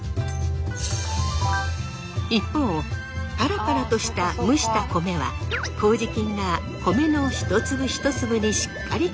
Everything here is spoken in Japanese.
一方パラパラとした蒸した米はこうじ菌が米の一粒一粒にしっかりとくっつくことができる